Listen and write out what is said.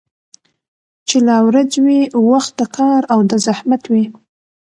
چي لا ورځ وي وخت د كار او د زحمت وي